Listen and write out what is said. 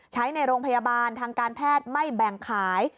ใช้ในโรงพยาบาลทางการแพทย์ไม่แบ่งขาย